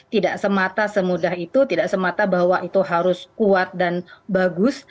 tidak semata semudah itu tidak semata bahwa itu harus kuat dan bagus